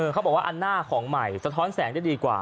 เขาบอกว่าอันหน้าของใหม่สะท้อนแสงได้ดีกว่า